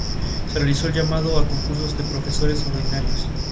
Se realizó el llamado a Concursos de Profesores Ordinarios.